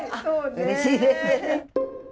うれしいです。